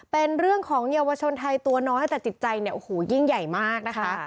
เป็นเรื่องของเยาวชนไทยตัวน้อยแต่จิตใจเนี่ยโอ้โหยิ่งใหญ่มากนะคะ